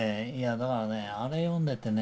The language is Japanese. だからあれ読んでてね